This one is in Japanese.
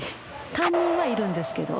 担任はいるんですけど。